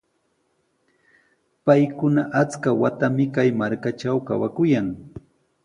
Paykuna achka watanami kay markatraw kawakuyan.